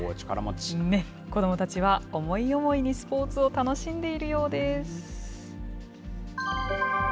子どもたちは、思い思いにスポーツを楽しんでいるようです。